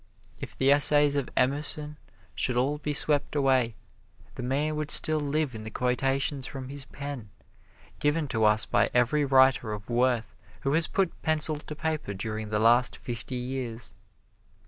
If the Essays of Emerson should all be swept away, the man would still live in the quotations from his pen, given to us by every writer of worth who has put pencil to paper during the last fifty years.